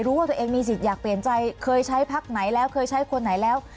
ว่าตัวเองมีสิทธิ์อยากเปลี่ยนใจเคยใช้พักไหนแล้วเคยใช้คนไหนแล้ว